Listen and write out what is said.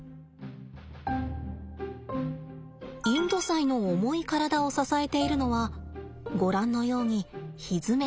インドサイの重い体を支えているのはご覧のようにひづめです。